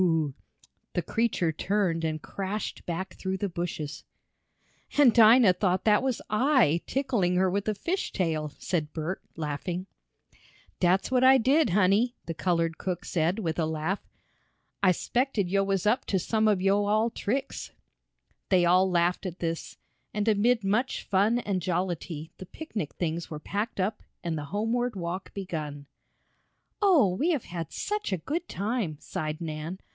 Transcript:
the creature turned and crashed back through the bushes. "And Dinah thought that was I, tickling her with a fish tail," said Bert, laughing. "Dat's what I did, honey!" the colored cook said, with a laugh. "I s'pected yo' was up to some ob yo' all tricks!" They all laughed at this, and amid much fun and jollity the picnic things were packed up and the homeward walk begun. "Oh, we have had such a good time!" sighed Nan.